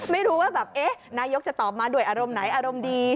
ไม่รู้ว่าแบบเอ๊ะนายกจะตอบมาด้วยอารมณ์ไหนอารมณ์ดี